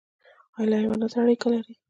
ایا له حیواناتو سره اړیکه لرئ؟